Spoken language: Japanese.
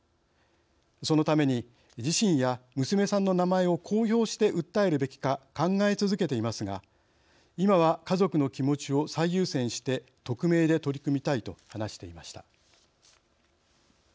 そのために自身や娘さんの名前を公表して訴えるべきか考え続けていますが「今は家族の気持ちを最優先して匿名で取り組みたい」と話していました。